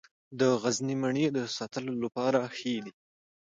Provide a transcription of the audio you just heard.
د غزني مڼې د ساتلو لپاره ښې دي.